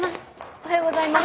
おはようございます。